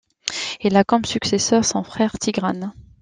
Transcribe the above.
Il a comme successeur son frère Tigrane.